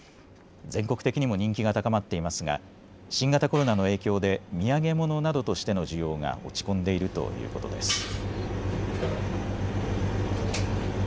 全国的にも人気が高まっていますが新型コロナの影響で土産物などとしての需要が落ち込んでいるということです。